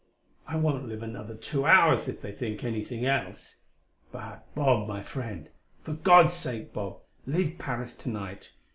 I won't live another two hours if they think anything else. But, Bob, my friend for God's sake, Bob, leave Paris to night.